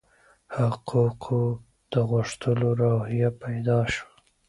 حقوقو د غوښتلو روحیه پیدا شوه.